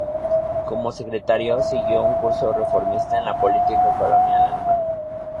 Como secretario, siguió un curso reformista en la política colonial alemana.